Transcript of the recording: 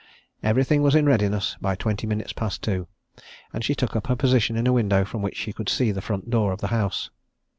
Everything was in readiness by twenty minutes past two, and she took up her position in a window from which she could see the front door of the house.